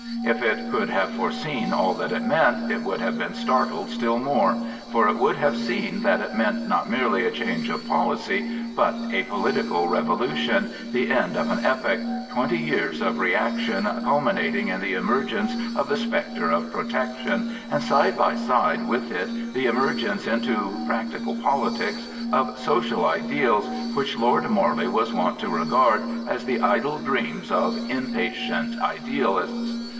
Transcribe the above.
If it could have foreseen all that it meant, it would have been startled still more, for it would have seen that it meant not merely a change of policy but a political revolution, the end of an epoch, twenty years of reaction culminating in the emergence of the spectre of Protection, and side by side with it the emergence into practical politics of social ideals which Lord Morley was wont to regard as the idle dreams of " impatient idealists."